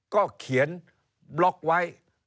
ก็เขียนบล็อกไว้